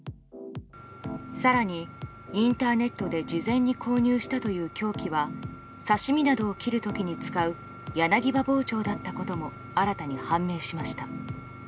更に、インターネットで事前に購入したという凶器は刺し身などを切る時に使う柳刃包丁だったことも新たに判明しました。